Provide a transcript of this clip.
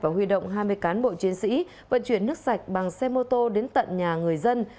và huy động hai mươi cán bộ chiến sĩ vận chuyển nước sạch bằng xe mô tô đến tận nhà người dân